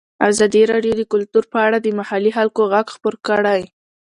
ازادي راډیو د کلتور په اړه د محلي خلکو غږ خپور کړی.